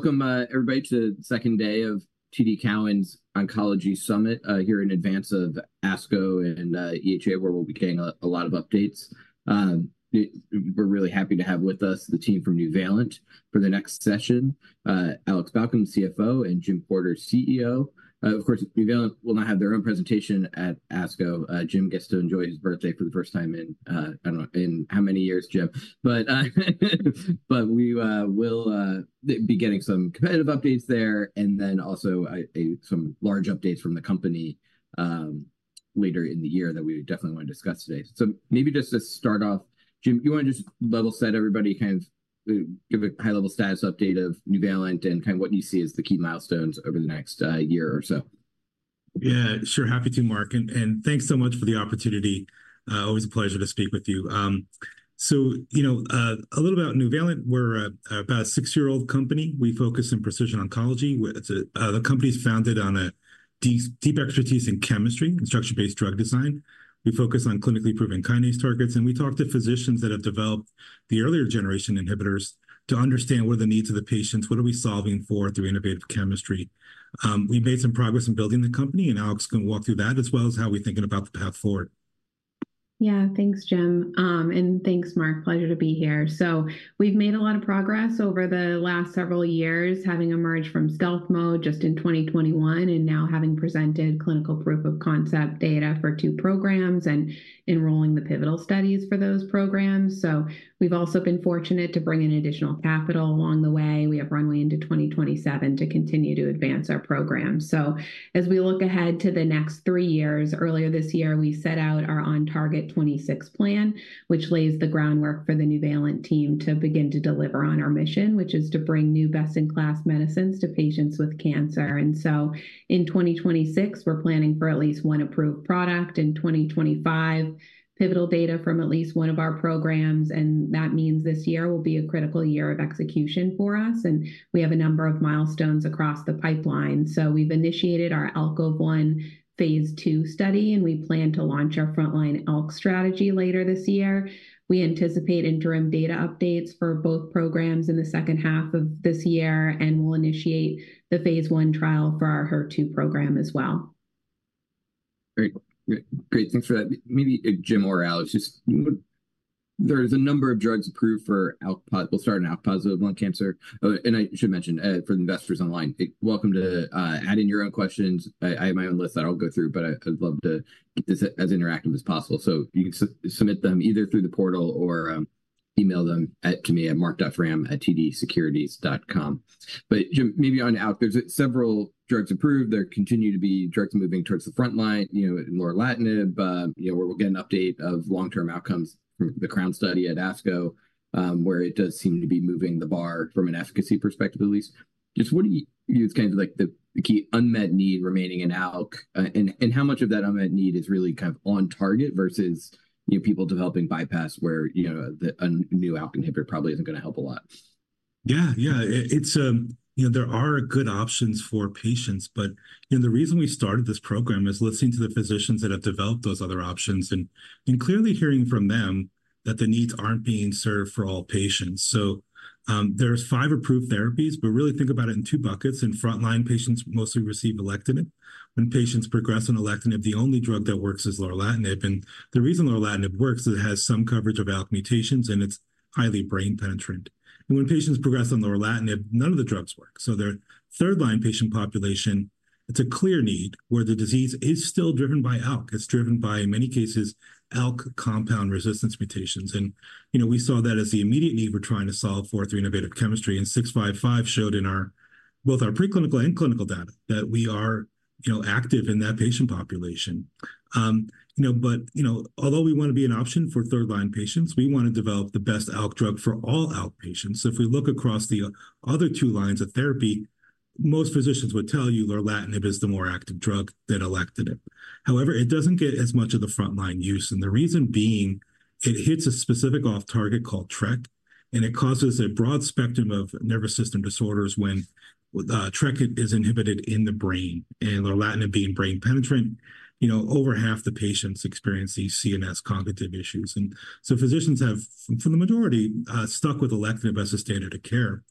Welcome, everybody, to the second day of TD Cowen's Oncology Summit here in advance of ASCO and EHA, where we'll be getting a lot of updates. We're really happy to have with us the team from Nuvalent for the next session, Alex Balcom, CFO, and Jim Porter, CEO. Of course, Nuvalent will not have their own presentation at ASCO. Jim gets to enjoy his birthday for the first time in, I don't know, in how many years, Jim? But we will, they'll be getting some competitive updates there, and then also some large updates from the company later in the year that we definitely want to discuss today. So maybe just to start off, Jim, do you wanna just level-set everybody, kind of give a high-level status update of Nuvalent and kind of what you see as the key milestones over the next year or so? Yeah, sure. Happy to, Mark, and thanks so much for the opportunity. Always a pleasure to speak with you. So, you know, a little about Nuvalent. We're about a six-year-old company. We focus in precision oncology. We're the company's founded on a deep expertise in chemistry and structure-based drug design. We focus on clinically proven kinase targets, and we talk to physicians that have developed the earlier generation inhibitors to understand what are the needs of the patients, what are we solving for through innovative chemistry? We've made some progress in building the company, and Alex can walk through that, as well as how we're thinking about the path forward. Yeah. Thanks, Jim. And thanks, Mark. Pleasure to be here. So we've made a lot of progress over the last several years, having emerged from stealth mode just in 2021, and now having presented clinical proof of concept data for 2 programs and enrolling the pivotal studies for those programs. So we've also been fortunate to bring in additional capital along the way. We have runway into 2027 to continue to advance our program. So as we look ahead to the next 3 years, earlier this year, we set out our On-Target 2026 plan, which lays the groundwork for the Nuvalent team to begin to deliver on our mission, which is to bring new best-in-class medicines to patients with cancer. So in 2026, we're planning for at least one approved product, in 2025, pivotal data from at least one of our programs, and that means this year will be a critical year of execution for us, and we have a number of milestones across the pipeline. So we've initiated our ALCOVE-1 Phase II study, and we plan to launch our frontline ALK strategy later this year. We anticipate interim data updates for both programs in the second half of this year, and we'll initiate the Phase I trial for our HER2 program as well. Great. Great, thanks for that. Maybe Jim or Alex, just... There's a number of drugs approved for ALK-positive, sorry, in ALK-positive lung cancer. And I should mention, for the investors online, welcome to add in your own questions. I have my own list that I'll go through, but I'd love to keep this as interactive as possible. So you can submit them either through the portal or email them to me at mark.frahm@tdsecurities.com. But, Jim, maybe on ALK, there's several drugs approved. There continue to be drugs moving towards the frontline, you know, lorlatinib, you know, where we'll get an update of long-term outcomes from the CROWN study at ASCO, where it does seem to be moving the bar from an efficacy perspective, at least. Just what do you... You know, kind of like the key unmet need remaining in ALK, and how much of that unmet need is really kind of on target versus, you know, people developing bypass where, you know, a new ALK inhibitor probably isn't gonna help a lot? Yeah, yeah. It's... You know, there are good options for patients, but, you know, the reason we started this program is listening to the physicians that have developed those other options, and clearly hearing from them that the needs aren't being served for all patients. So, there's five approved therapies, but really think about it in two buckets. In frontline, patients mostly receive alectinib. When patients progress on alectinib, the only drug that works is lorlatinib, and the reason lorlatinib works is it has some coverage of ALK mutations, and it's highly brain-penetrant. And when patients progress on lorlatinib, none of the drugs work. So the third-line patient population, it's a clear need, where the disease is still driven by ALK. It's driven by, in many cases, ALK compound resistance mutations. You know, we saw that as the immediate need we're trying to solve for through innovative chemistry, and 655 showed in both our preclinical and clinical data, that we are, you know, active in that patient population. You know, but, you know, although we want to be an option for third-line patients, we want to develop the best ALK drug for all ALK patients. So if we look across the other two lines of therapy, most physicians would tell you lorlatinib is the more active drug than alectinib. However, it doesn't get as much of the frontline use, and the reason being, it hits a specific off-target called TRK, and it causes a broad spectrum of nervous system disorders when TRK is inhibited in the brain. And lorlatinib, being brain-penetrant, you know, over half the patients experience these CNS cognitive issues. And so physicians have, for the majority, stuck with alectinib as a standard of care.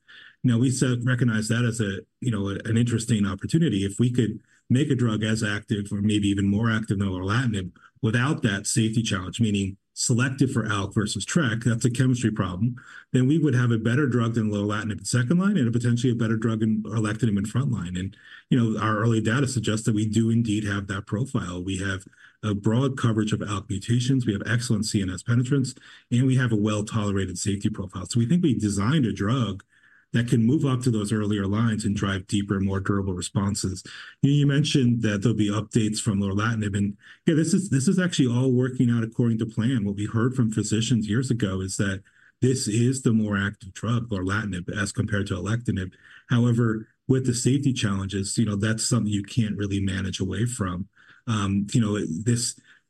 Now, we recognize that as a, you know, an interesting opportunity. If we could make a drug as active or maybe even more active than lorlatinib without that safety challenge, meaning selective for ALK versus TRK, that's a chemistry problem, then we would have a better drug than lorlatinib in second line and potentially a better drug than alectinib in frontline. And, you know, our early data suggests that we do indeed have that profile. We have a broad coverage of ALK mutations, we have excellent CNS penetrance, and we have a well-tolerated safety profile. So we think we designed a drug that can move up to those earlier lines and drive deeper and more durable responses. You know, you mentioned that there'll be updates from lorlatinib, and, you know, this is, this is actually all working out according to plan. What we heard from physicians years ago is that this is the more active drug, lorlatinib, as compared to alectinib. However, with the safety challenges, you know, that's something you can't really manage away from. You know,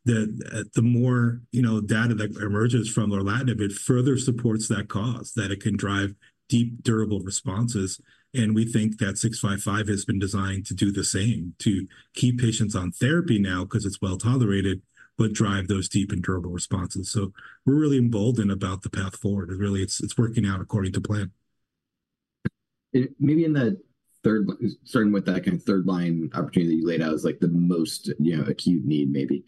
the more, you know, data that emerges from lorlatinib, it further supports that cause, that it can drive deep, durable responses. And we think that 655 has been designed to do the same, to keep patients on therapy now, 'cause it's well-tolerated, but drive those deep and durable responses. So we're really emboldened about the path forward, and really, it's, it's working out according to plan.... Maybe in the third, starting with that kind of third line opportunity that you laid out as, like, the most, you know, acute need maybe.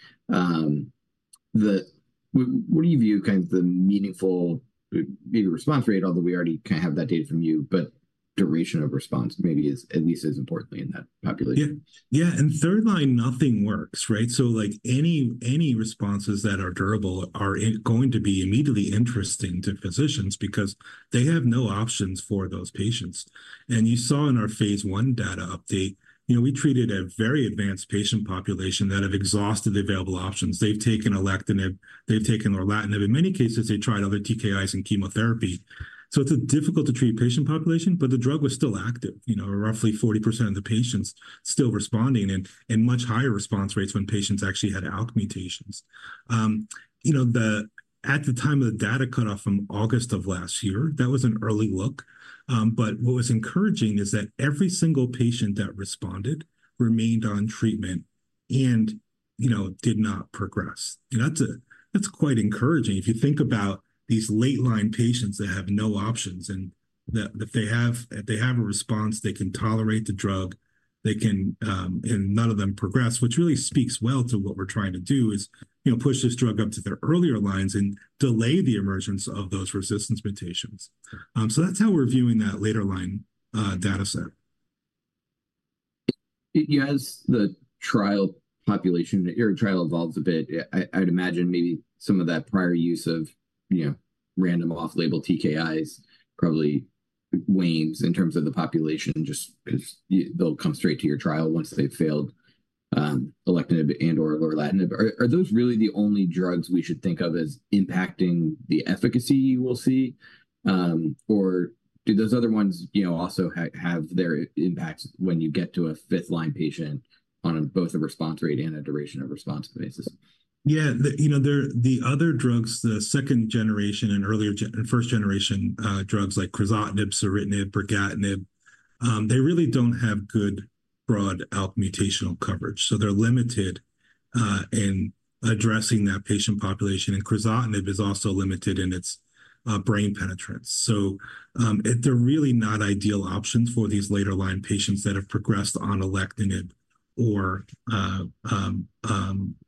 What do you view kind of the meaningful, maybe response rate, although we already kind of have that data from you, but duration of response maybe is at least as importantly in that population? Yeah, yeah, and third line, nothing works, right? So, like, any, any responses that are durable are going to be immediately interesting to physicians because they have no options for those patients. And you saw in our phase 1 data update, you know, we treated a very advanced patient population that have exhausted the available options. They've taken alectinib, they've taken lorlatinib. In many cases, they tried other TKIs and chemotherapy. So it's a difficult to treat patient population, but the drug was still active. You know, roughly 40% of the patients still responding, and, and much higher response rates when patients actually had ALK mutations. You know, at the time of the data cutoff from August of last year, that was an early look. But what was encouraging is that every single patient that responded remained on treatment and, you know, did not progress. That's quite encouraging. If you think about these late-line patients that have no options, and that if they have, if they have a response, they can tolerate the drug, they can, and none of them progress. Which really speaks well to what we're trying to do is, you know, push this drug up to the earlier lines and delay the emergence of those resistance mutations. So that's how we're viewing that later line data set. Yeah, as the trial population, your trial evolves a bit, I'd imagine maybe some of that prior use of, you know, random off-label TKIs probably wanes in terms of the population, just as you, they'll come straight to your trial once they've failed alectinib and/or lorlatinib. Are those really the only drugs we should think of as impacting the efficacy we'll see, or do those other ones, you know, also have their impacts when you get to a fifth-line patient on both a response rate and a duration of response basis? Yeah. You know, the other drugs, the second generation and first generation drugs, like crizotinib, ceritinib, brigatinib, they really don't have good broad ALK mutational coverage, so they're limited in addressing that patient population. And crizotinib is also limited in its brain penetrance. So, they're really not ideal options for these later-line patients that have progressed on alectinib or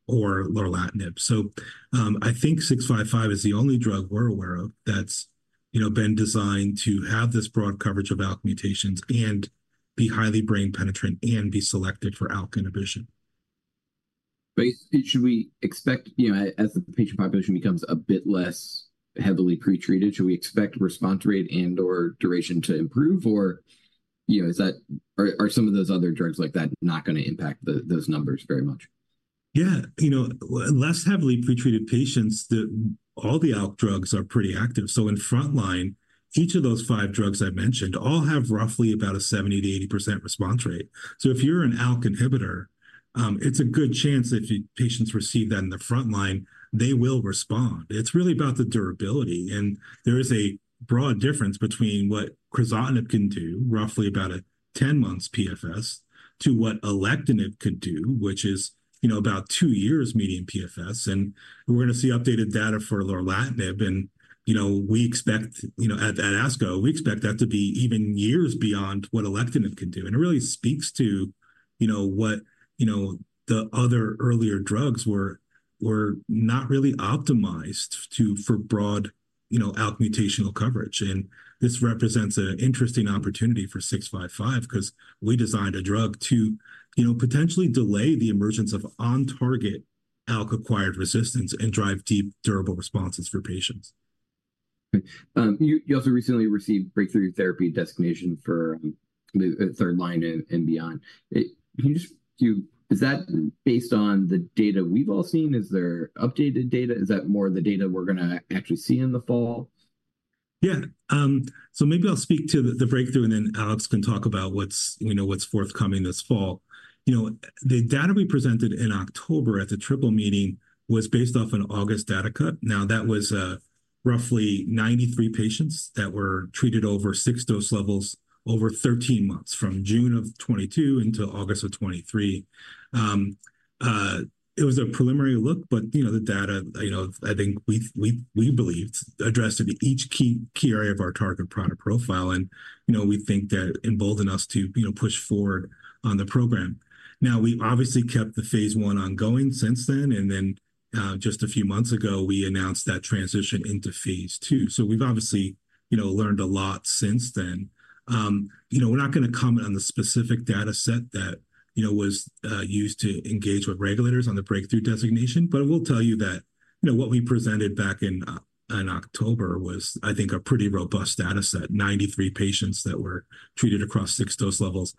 lorlatinib. So, I think 655 is the only drug we're aware of that's, you know, been designed to have this broad coverage of ALK mutations and be highly brain-penetrant and be selected for ALK inhibition. Should we expect, you know, as the patient population becomes a bit less heavily pretreated, should we expect response rate and/or duration to improve? Or, you know, is that, are some of those other drugs like that not gonna impact those numbers very much? Yeah. You know, less heavily pretreated patients, all the ALK drugs are pretty active. So in front line, each of those five drugs I mentioned all have roughly about a 70%-80% response rate. So if you're an ALK inhibitor, it's a good chance that if patients receive that in the front line, they will respond. It's really about the durability, and there is a broad difference between what crizotinib can do, roughly about 10 months PFS, to what alectinib could do, which is, you know, about two years median PFS. And we're gonna see updated data for lorlatinib, and, you know, we expect, you know, at ASCO, we expect that to be even years beyond what alectinib can do. And it really speaks to, you know, what, you know, the other earlier drugs were not really optimized to, for broad, you know, ALK mutational coverage. And this represents an interesting opportunity for 655, 'cause we designed a drug to, you know, potentially delay the emergence of on-target ALK-acquired resistance and drive deep, durable responses for patients. You also recently received Breakthrough Therapy Designation for the third line and beyond. Is that based on the data we've all seen? Is there updated data? Is that more of the data we're gonna actually see in the fall? Yeah. So maybe I'll speak to the breakthrough, and then Alex can talk about what's, you know, what's forthcoming this fall. You know, the data we presented in October at the Triple Meeting was based off an August data cut. Now, that was roughly 93 patients that were treated over 6 dose levels over 13 months, from June of 2022 until August of 2023. It was a preliminary look, but, you know, the data, you know, I think we believed addressed each key area of our target product profile. And, you know, we think that emboldened us to, you know, push forward on the program. Now, we've obviously kept the Phase I ongoing since then, and then just a few months ago, we announced that transition into Phase II. So we've obviously, you know, learned a lot since then. You know, we're not gonna comment on the specific data set that, you know, was used to engage with regulators on the breakthrough designation. But I will tell you that, you know, what we presented back in, in October was, I think, a pretty robust data set. 93 patients that were treated across six dose levels,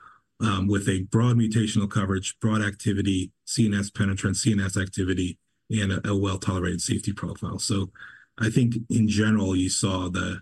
with a broad mutational coverage, broad activity, CNS penetrance, CNS activity, and a, a well-tolerated safety profile. So I think, in general, you saw the...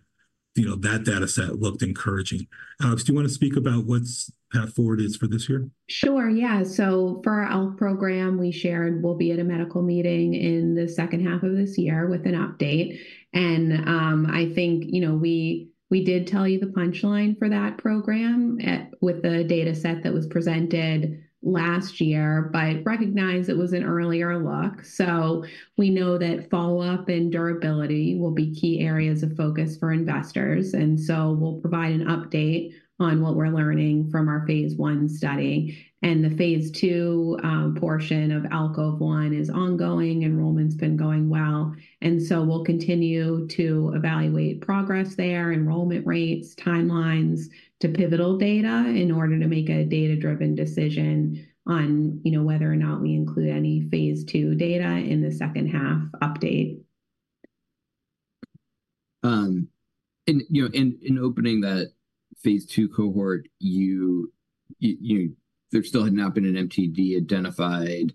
you know, that data set looked encouraging. Alex, do you wanna speak about what's path forward is for this year? Sure, yeah. So for our ALK program, we shared we'll be at a medical meeting in the second half of this year with an update. And I think, you know, we did tell you the punchline for that program at, with the data set that was presented last year, but recognize it was an earlier look. So we know that follow-up and durability will be key areas of focus for investors, and so we'll provide an update on what we're learning from our Phase I study. And the Phase II portion of ALCOVE-1 is ongoing. Enrollment's been going well, and so we'll continue to evaluate progress there, enrollment rates, timelines to pivotal data in order to make a data-driven decision on, you know, whether or not we include any Phase II data in the second half update. And, you know, in opening that Phase II cohort, you there still had not been an MTD identified.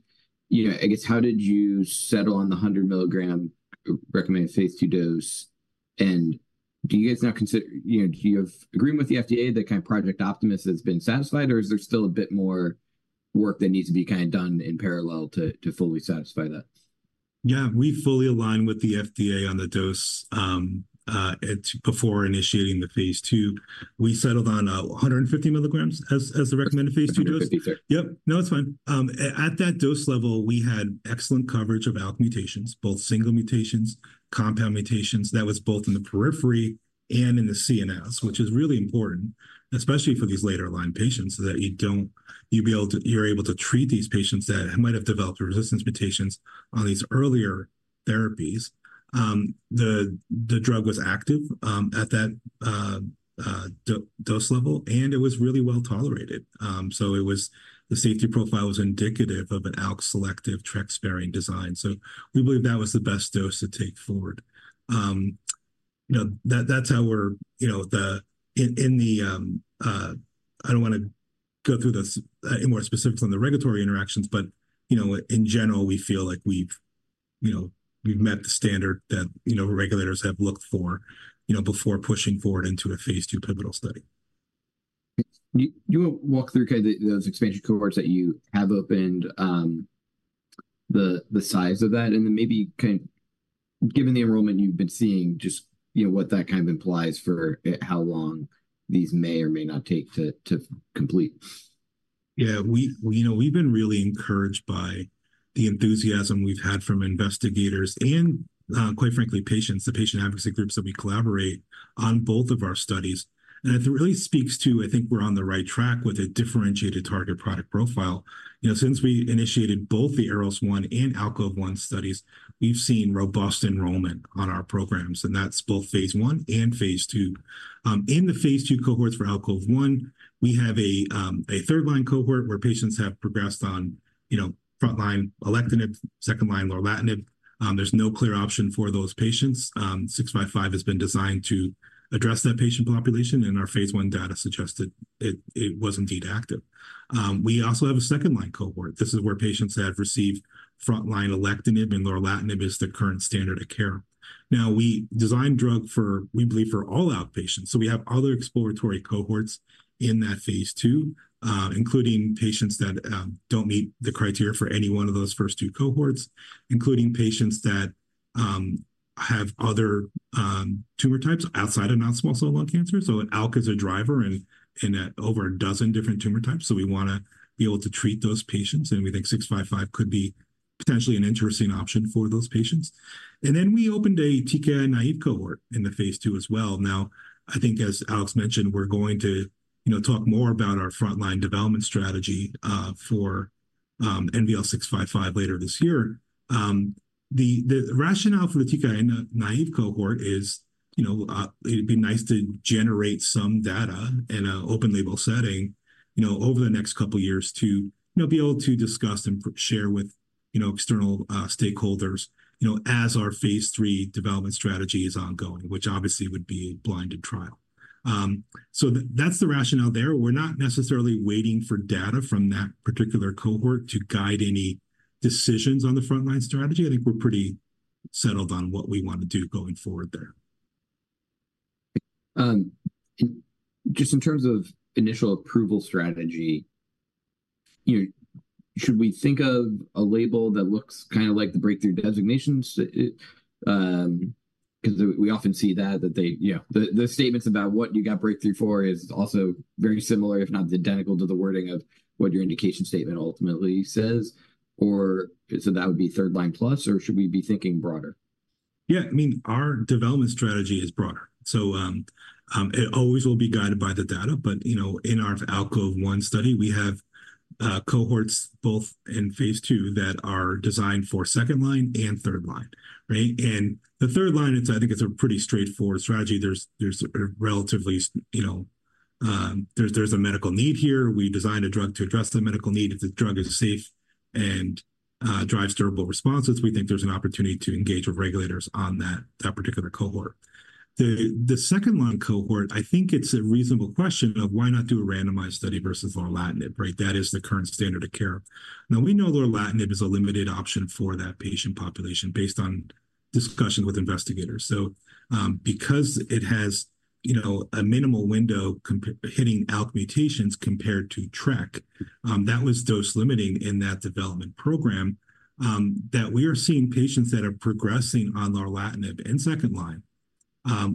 You know, I guess, how did you settle on the 100 milligram recommended Phase II dose? And do you guys now consider you know, do you have agreement with the FDA that kind of Project Optimist has been satisfied, or is there still a bit more work that needs to be kinda done in parallel to fully satisfy that? Yeah, we fully align with the FDA on the dose. It's before initiating the Phase II, we settled on 150 milligrams as, as the recommended Phase II dose. 150, sir. Yep. No, it's fine. At that dose level, we had excellent coverage of ALK mutations, both single mutations, compound mutations. That was both in the periphery and in the CNS, which is really important, especially for these later-line patients, so that you'll be able to. You're able to treat these patients that might have developed resistance mutations on these earlier therapies. The drug was active at that dose level, and it was really well-tolerated. So it was. The safety profile was indicative of an ALK-selective TRK-sparing design. So we believe that was the best dose to take forward. You know, that's how we're... You know, I don't wanna go through this in more specifics on the regulatory interactions, but, you know, in general, we feel like we've, you know, we've met the standard that, you know, regulators have looked for, you know, before pushing forward into a Phase II pivotal study. You wanna walk through kind of the, those expansion cohorts that you have opened, the size of that, and then maybe kind of, given the enrollment you've been seeing, just, you know, what that kind of implies for, how long these may or may not take to complete? Yeah, you know, we've been really encouraged by the enthusiasm we've had from investigators and, quite frankly, patients, the patient advocacy groups that we collaborate on both of our studies. And it really speaks to, I think we're on the right track with a differentiated target product profile. You know, since we initiated both the ARROS-1 and ALCOVE-1 studies, we've seen robust enrollment on our programs, and that's both Phase I and Phase II. In the Phase II cohorts for ALCOVE-1, we have a third-line cohort where patients have progressed on, you know, front-line alectinib, second-line lorlatinib. There's no clear option for those patients. NVL-655 has been designed to address that patient population, and our Phase I data suggested it was indeed active. We also have a second-line cohort. This is where patients have received frontline alectinib, and lorlatinib is the current standard of care. Now, we designed drug for, we believe, for all outpatients, so we have other exploratory cohorts in that Phase II, including patients that don't meet the criteria for any one of those first two cohorts, including patients that have other tumor types outside of non-small cell lung cancer. So ALK is a driver in over a dozen different tumor types, so we wanna be able to treat those patients, and we think 655 could be potentially an interesting option for those patients. And then we opened a TKI-naive cohort in the Phase II as well. Now, I think as Alex mentioned, we're going to, you know, talk more about our frontline development strategy for NVL-655 later this year. The rationale for the TKI-naive cohort is, you know, it'd be nice to generate some data in an open-label setting, you know, over the next couple of years to, you know, be able to discuss and share with, you know, external stakeholders, you know, as our Phase III development strategy is ongoing, which obviously would be a blinded trial. So that's the rationale there. We're not necessarily waiting for data from that particular cohort to guide any decisions on the frontline strategy. I think we're pretty settled on what we want to do going forward there. And just in terms of initial approval strategy, you know, should we think of a label that looks kind of like the breakthrough designations? 'Cause we often see that they... You know, the statements about what you got breakthrough for is also very similar, if not identical, to the wording of what your indication statement ultimately says. Or so that would be third-line plus, or should we be thinking broader? Yeah, I mean, our development strategy is broader. So, it always will be guided by the data, but, you know, in our ALCOVE-1 study, we have cohorts both in Phase II that are designed for second-line and third-line, right? And the third line, it's, I think it's a pretty straightforward strategy. There's a relatively, you know, there's a medical need here. We designed a drug to address the medical need. If the drug is safe and drives durable responses, we think there's an opportunity to engage with regulators on that particular cohort. The second-line cohort, I think it's a reasonable question of why not do a randomized study versus lorlatinib, right? That is the current standard of care. Now, we know lorlatinib is a limited option for that patient population based on discussion with investigators. So, because it has, you know, a minimal window hitting ALK mutations compared to TRK, that was dose-limiting in that development program, that we are seeing patients that are progressing on lorlatinib in second line,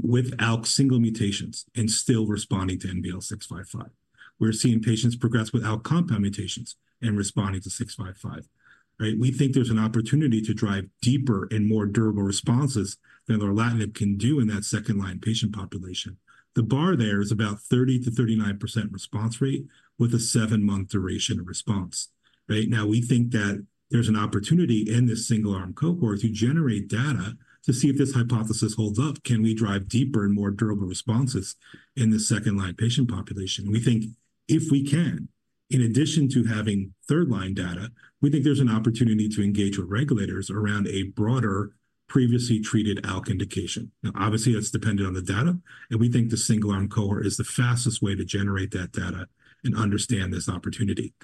with ALK single mutations and still responding to NVL-655. We're seeing patients progress with ALK compound mutations and responding to NVL-655, right? We think there's an opportunity to drive deeper and more durable responses than lorlatinib can do in that second-line patient population. The bar there is about 30%-39% response rate with a seven-month duration of response, right? Now, we think that there's an opportunity in this single-arm cohort to generate data to see if this hypothesis holds up. Can we drive deeper and more durable responses in the second-line patient population? We think if we can, in addition to having third-line data, we think there's an opportunity to engage with regulators around a broader previously treated ALK indication. Now, obviously, that's dependent on the data, and we think the single-arm cohort is the fastest way to generate that data and understand this opportunity.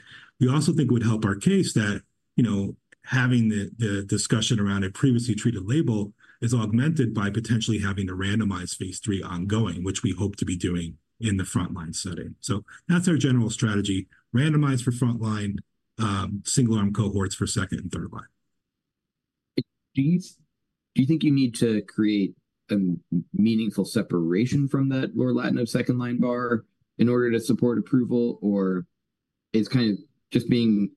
We also think it would help our case that, you know, having the, the discussion around a previously treated label is augmented by potentially having a randomized phase 3 ongoing, which we hope to be doing in the frontline setting. So that's our general strategy: randomized for frontline, single-arm cohorts for second and third line. Do you think you need to create a meaningful separation from that lorlatinib second-line bar in order to support approval? Or is kind of just being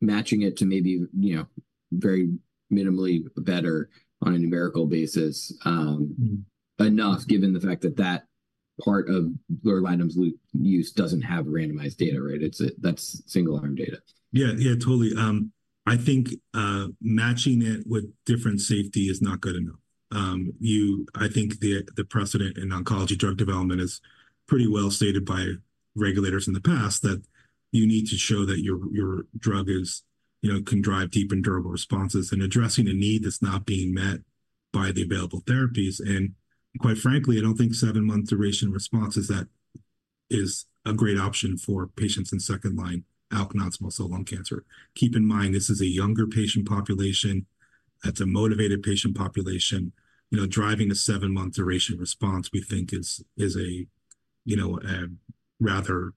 matching it to maybe, you know, very minimally better on a numerical basis enough, given the fact that that part of lorlatinib's use doesn't have randomized data, right? That's single-arm data. Yeah, yeah, totally. I think matching it with different safety is not good enough. I think the precedent in oncology drug development is pretty well stated by regulators in the past, that you need to show that your drug is, you know, can drive deep and durable responses in addressing a need that's not being met by the available therapies. And quite frankly, I don't think 7-month duration response is that, is a great option for patients in second-line ALK-non-small cell lung cancer. Keep in mind, this is a younger patient population; that's a motivated patient population. You know, driving a 7-month duration response, we think is, is a, you know, a rather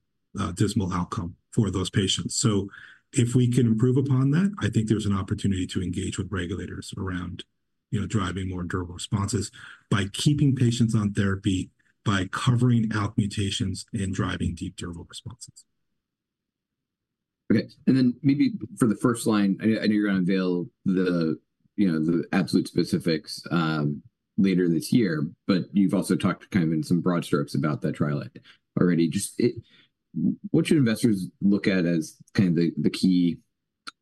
dismal outcome for those patients. So if we can improve upon that, I think there's an opportunity to engage with regulators around, you know, driving more durable responses by keeping patients on therapy, by covering ALK mutations and driving deep, durable responses. Okay. And then maybe for the first line, I know you're going to unveil the, you know, the absolute specifics later this year, but you've also talked kind of in some broad strokes about that trial already. What should investors look at as kind of the key,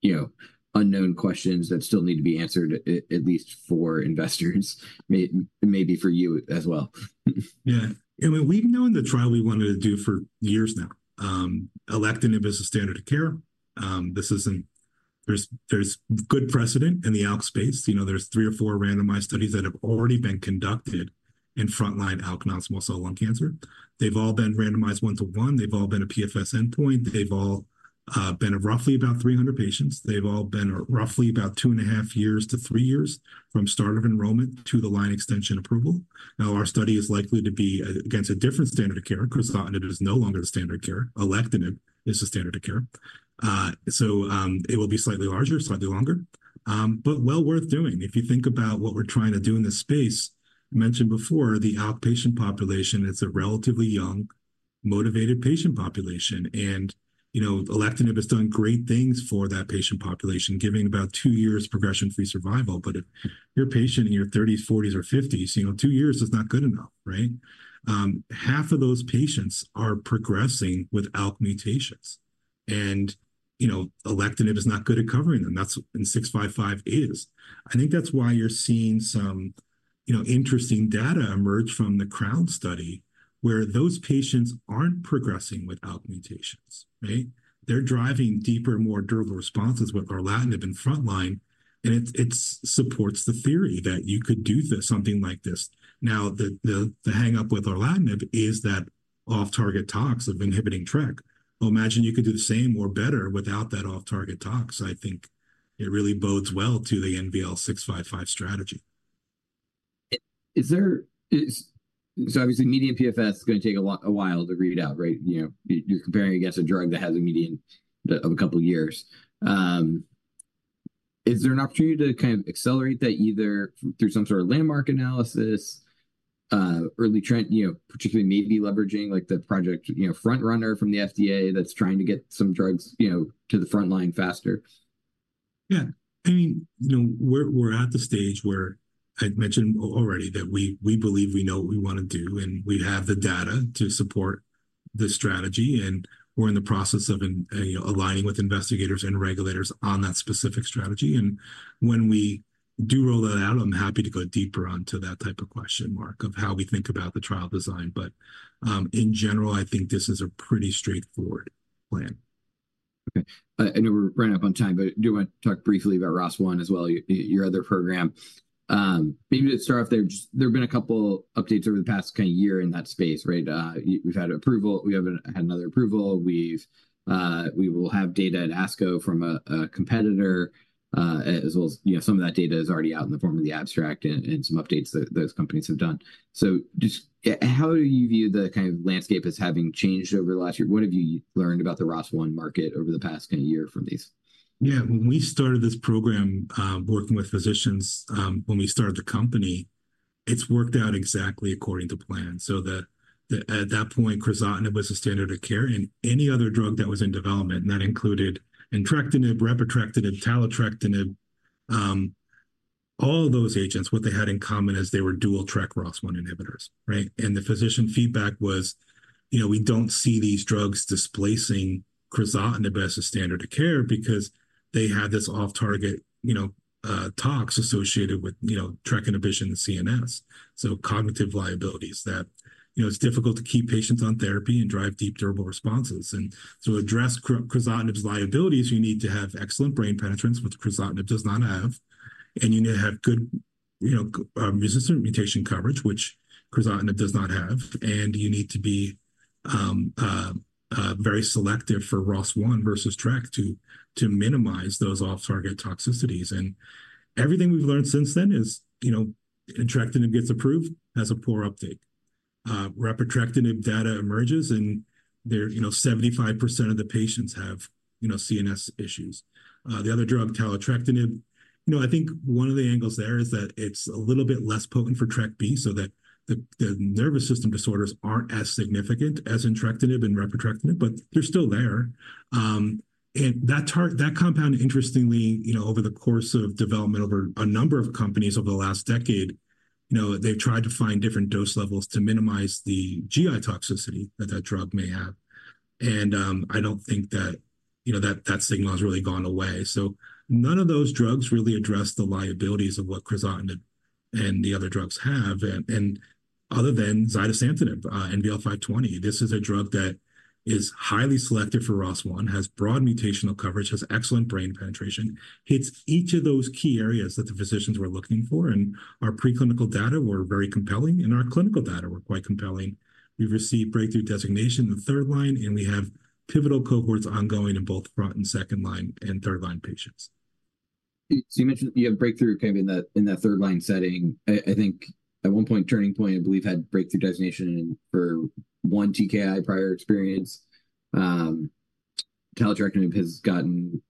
you know, unknown questions that still need to be answered, at least for investors, maybe for you as well? Yeah. I mean, we've known the trial we wanted to do for years now. Alectinib is the standard of care. This isn't. There's good precedent in the ALK space. You know, there's three or four randomized studies that have already been conducted in frontline ALK non-small cell lung cancer. They've all been randomized 1:1. They've all been a PFS endpoint. They've all been roughly about 300 patients. They've all been roughly about 2.5 years-3 years from start of enrollment to the line extension approval. Now, our study is likely to be against a different standard of care. Crizotinib is no longer the standard of care. Alectinib is the standard of care. So, it will be slightly larger, slightly longer, but well worth doing. If you think about what we're trying to do in this space, I mentioned before, the ALK patient population is a relatively young, motivated patient population, and, you know, alectinib has done great things for that patient population, giving about 2 years progression-free survival. But if you're a patient in your 30s, 40s, or 50s, you know, 2 years is not good enough, right? Half of those patients are progressing with ALK mutations, and, you know, alectinib is not good at covering them. That's, and 655 is. I think that's why you're seeing some, you know, interesting data emerge from the CROWN study, where those patients aren't progressing with ALK mutations, right? They're driving deeper and more durable responses with lorlatinib in frontline, and it, it supports the theory that you could do this, something like this. Now, the hang-up with lorlatinib is that off-target tox of inhibiting TRK. Well, imagine you could do the same or better without that off-target tox. I think it really bodes well to the NVL-655 strategy. Is there—So obviously, median PFS is going to take a lot—a while to read out, right? You know, you're comparing against a drug that has a median of a couple of years. Is there an opportunity to kind of accelerate that, either through some sort of landmark analysis, early trend, you know, particularly maybe leveraging, like, the Project Frontrunner from the FDA that's trying to get some drugs, you know, to the frontline faster? Yeah. I mean, you know, we're, we're at the stage where I've mentioned already that we, we believe we know what we want to do, and we have the data to support the strategy, and we're in the process of, you know, aligning with investigators and regulators on that specific strategy. And when we do roll that out, I'm happy to go deeper onto that type of question, Mark, of how we think about the trial design. But, in general, I think this is a pretty straightforward plan.... Okay, I know we're running up on time, but do you want to talk briefly about ROS1 as well, your other program? Maybe to start off, there have been a couple updates over the past kind of year in that space, right? We've had approval, we have had another approval. We will have data at ASCO from a competitor, as well as, you know, some of that data is already out in the form of the abstract and some updates that those companies have done. So just, how do you view the kind of landscape as having changed over the last year? What have you learned about the ROS1 market over the past kind of year from these? Yeah, when we started this program, working with physicians, when we started the company, it's worked out exactly according to plan. So at that point, crizotinib was the standard of care, and any other drug that was in development, and that included entrectinib, repotrectinib, taletrectinib, all those agents, what they had in common is they were dual TRK ROS1 inhibitors, right? And the physician feedback was, you know, we don't see these drugs displacing crizotinib as a standard of care because they had this off-target, you know, tox associated with, you know, TRK inhibition in the CNS. So cognitive liabilities that, you know, it's difficult to keep patients on therapy and drive deep, durable responses. And to address crizotinib's liabilities, you need to have excellent brain penetrance, which crizotinib does not have, and you need to have good, you know, resistant mutation coverage, which crizotinib does not have. And you need to be very selective for ROS1 versus TRK to minimize those off-target toxicities. And everything we've learned since then is, you know, entrectinib gets approved, has a poor update. Repotrectinib data emerges, and they're, you know, 75% of the patients have, you know, CNS issues. The other drug, taletrectinib, you know, I think one of the angles there is that it's a little bit less potent for TRKB, so that the nervous system disorders aren't as significant as entrectinib and repotrectinib, but they're still there. And that compound, interestingly, you know, over the course of development over a number of companies over the last decade, you know, they've tried to find different dose levels to minimize the GI toxicity that that drug may have. And, I don't think that, you know, that, that signal has really gone away. So none of those drugs really address the liabilities of what crizotinib and the other drugs have. And other than zidesamtinib, NVL-520, this is a drug that is highly selective for ROS1, has broad mutational coverage, has excellent brain penetration, hits each of those key areas that the physicians were looking for, and our preclinical data were very compelling, and our clinical data were quite compelling. We've received breakthrough designation in the third line, and we have pivotal cohorts ongoing in both first and second line and third-line patients. So you mentioned you have breakthrough kind of in that, in that third-line setting. I, I think at one point, Turning Point, I believe, had breakthrough designation for one TKI prior experience. Taletrectinib has gotten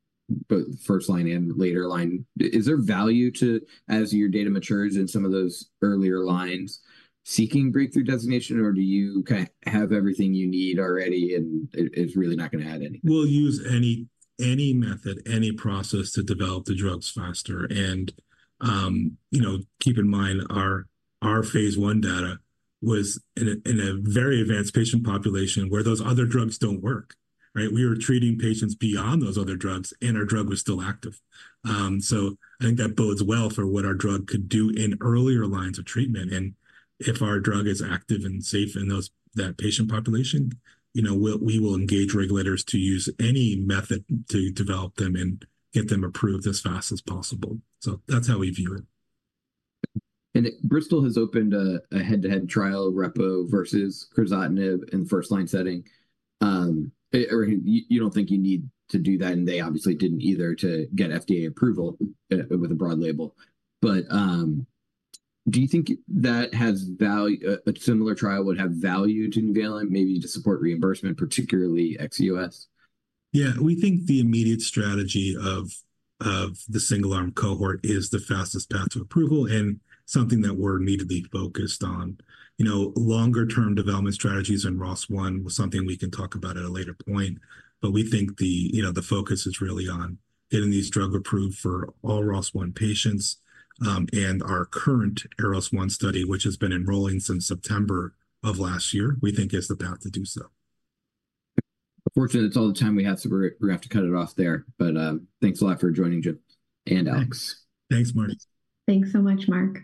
both first line and later line. Is there value to, as your data matures in some of those earlier lines, seeking breakthrough designation, or do you kind of have everything you need already, and it, it's really not gonna add anything? We'll use any, any method, any process to develop the drugs faster. You know, keep in mind, our, our Phase I data was in a, in a very advanced patient population where those other drugs don't work, right? We were treating patients beyond those other drugs, and our drug was still active. I think that bodes well for what our drug could do in earlier lines of treatment. And if our drug is active and safe in those, that patient population, you know, we will engage regulators to use any method to develop them and get them approved as fast as possible. So that's how we view it. Bristol has opened a head-to-head trial, repotrectinib versus crizotinib, in first-line setting. Or you don't think you need to do that, and they obviously didn't either to get FDA approval, with a broad label. But do you think that has value, a similar trial would have value to Nuvalent, maybe to support reimbursement, particularly ex US? Yeah. We think the immediate strategy of the single-arm cohort is the fastest path to approval and something that we're neatly focused on. You know, longer-term development strategies in ROS1 was something we can talk about at a later point, but we think the, you know, the focus is really on getting these drug approved for all ROS1 patients. And our current ARROS-1 study, which has been enrolling since September of last year, we think is the path to do so. Unfortunately, it's all the time we have, so we're gonna have to cut it off there. But, thanks a lot for joining, Jim and Alex. Thanks, Mark. Thanks so much, Mark.